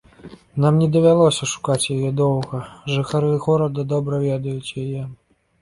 Нам не давялося шукаць яе доўга, жыхары горада добра ведаюць яе.